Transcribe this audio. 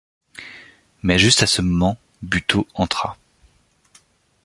Mais, juste à ce moment, Buteau entra.